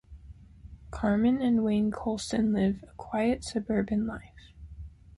Carmen and Wayne Colson live a quiet, suburban life.